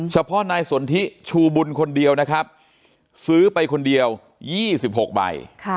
เฉพาะนายสนทิชูบุญคนเดียวนะครับซื้อไปคนเดียว๒๖ใบ